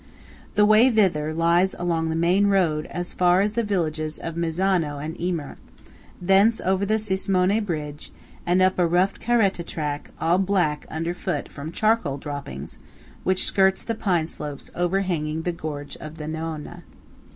The way thither lies along the main road as far as the villages of Mezzano and Imer; thence over the Cismone bridge, and up a rough caretta track all black underfoot from charcoal droppings, which skirts the pine slopes overhanging the gorge of the Noana.